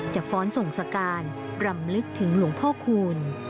ฟ้อนส่งสการรำลึกถึงหลวงพ่อคูณ